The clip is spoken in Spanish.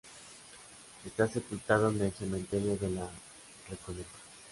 Está sepultado en el Cementerio de la Recoleta.